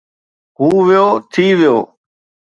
هو ويو، ٿي ويو